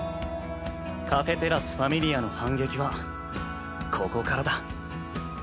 カフェテラス「Ｆａｍｉｌｉａ」の反撃はここからだ。